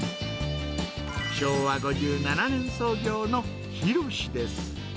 昭和５７年創業のひろしです。